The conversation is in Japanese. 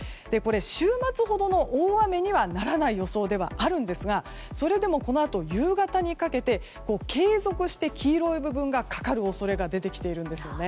週末ほどの大雨にはならない予想ではあるんですがそれでも、このあと夕方にかけて継続して黄色い部分がかかる恐れが出てきているんです。